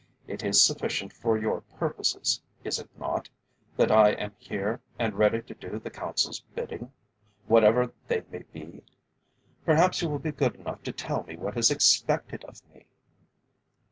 It is sufficient for your purposes, is it not, that I am here, and ready to do the Council's bidding, whatever that may be. Perhaps you will be good enough to tell me what is expected of me?"